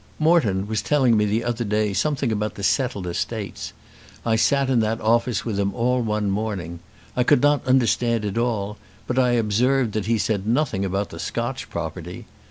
Morton was telling me the other day something about the settled estates. I sat in that office with him all one morning. I could not understand it all, but I observed that he said nothing about the Scotch property.